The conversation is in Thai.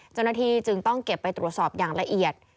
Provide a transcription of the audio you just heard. เจ้าหน้าที่จึงต้องเก็บไปตรวจสอบอย่างละเอียด